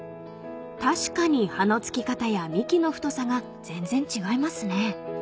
［確かに葉のつき方や幹の太さが全然違いますね］